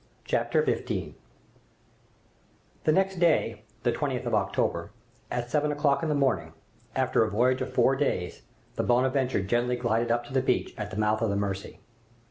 Chapter 15 The next day, the 20th of October, at seven o'clock in the morning, after a voyage of four days, the "Bonadventure" gently glided up to the beach at the mouth of the Mercy.